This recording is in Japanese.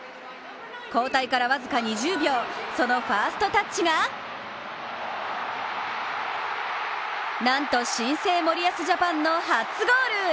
交代から僅か２０秒、そのファーストタッチが、なんと新生・森保ジャパンの初ゴール！